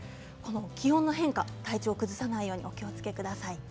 気温の変化、体調を崩さないようにお気をつけください。